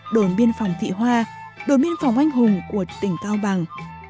đối miên phòng thị hoa đối miên phòng anh hùng của tỉnh cao bằng